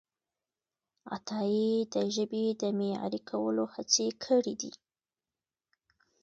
عطایي د ژبې د معیاري کولو هڅې کړیدي.